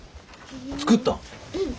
作ったん？